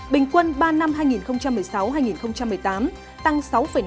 bình quân ba năm hai nghìn một mươi sáu hai nghìn một mươi tám tăng sáu năm mươi bảy